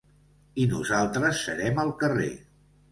I nosaltres serem al carrer.